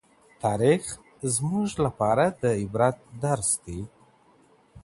تاریخ زموږ لپاره د عبرت درس دی.